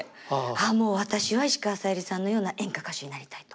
ああもう私は石川さゆりさんのような演歌歌手になりたいと。